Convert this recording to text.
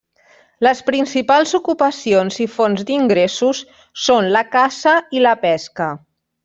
Les principals ocupacions i fonts d'ingressos són la caça i la pesca.